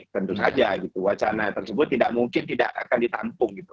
tentu saja wacana tersebut tidak mungkin tidak akan ditampung